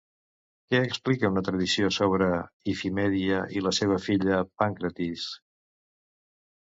Què explica una tradició sobre Ifimèdia i la seva filla Pàncratis?